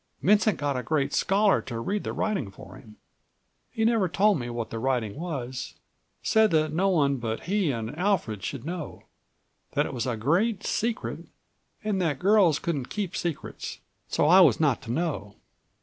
Vincent got a great scholar to read the writing for him. He never told me what the writing was; said that no one but he and Alfred should know; that it was a great secret and that girls couldn't keep secrets, so I was not to know.